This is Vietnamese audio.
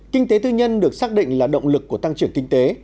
kinh tế tư nhân được xác định là động lực của tăng trưởng kinh tế